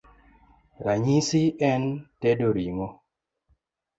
Ranyisi en tedo ring'o: